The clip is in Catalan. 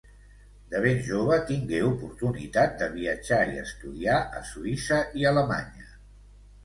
De ben jove tingué oportunitat de viatjar i estudiar a Suïssa i Alemanya.